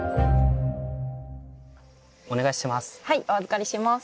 お願いします。